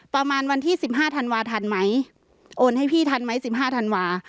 ประมาณวันที่๑๕ธันวาทันไหมโอนให้พี่ทันไหม๑๕ธันวา